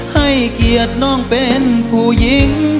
ให้เกียรติน้องเป็นผู้หญิง